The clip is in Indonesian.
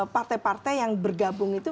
partai partai yang bergabung itu